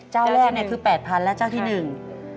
เจ้าแรกนี่คือ๘๐๐๐แล้วเจ้าที่หนึ่ง